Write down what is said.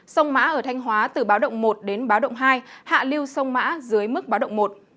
sông mã ở thanh hóa từ báo động một đến báo động hai hạ lưu sông mã dưới mức báo động một